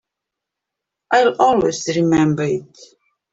I'll always remember it.